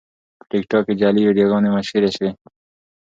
په ټیکټاک کې جعلي ویډیوګانې مشهورې شوې.